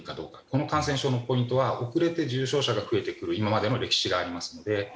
この感染症のポイントは遅れて重症者が出てくる今までの歴史がありますので。